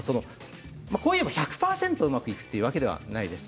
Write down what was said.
こう言えば１００％うまくいくわけではないです。